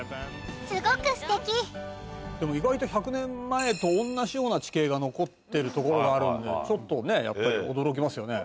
でも意外と１００年前と同じような地形が残ってる所があるのでちょっとねぇやっぱり驚きますよね。